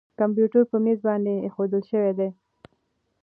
کمپیوټر په مېز باندې اېښودل شوی دی.